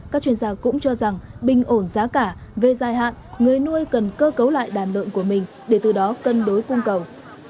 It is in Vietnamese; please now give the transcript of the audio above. các chuyên gia cũng cho rằng bình ổn giá cả về dài hạn người nuôi cần cơ cấu lại đàn lợn của mình để từ đó cân đối cung cầu